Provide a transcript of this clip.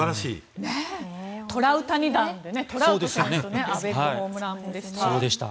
トラウタニ弾でねトラウト選手とアベックホームランでした。